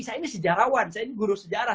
saya ini sejarawan saya ini guru sejarah